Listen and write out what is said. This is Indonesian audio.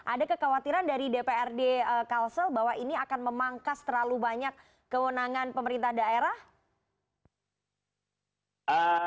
ada kekhawatiran dari dprd kalsel bahwa ini akan memangkas terlalu banyak kewenangan pemerintah daerah